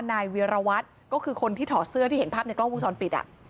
นายเวียรวัตรก็คือคนที่ถอดเสื้อที่เห็นภาพในกล้องวงจรปิด